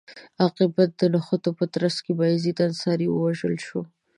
عاقبت د نښتو په ترڅ کې بایزید انصاري ووژل شو.